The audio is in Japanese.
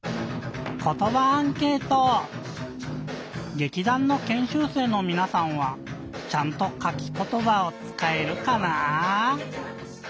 げきだんのけんしゅう生のみなさんはちゃんと「かきことば」をつかえるかなぁ？